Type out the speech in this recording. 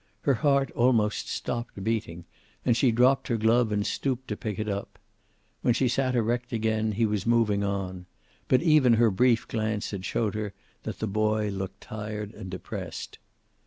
Her heart almost stopped beating, and she dropped her glove and stooped to pick it up. When she sat erect again he was moving on. But even her brief glance had showed her that the boy looked tired and depressed.